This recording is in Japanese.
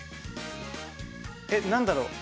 えっなんだろう？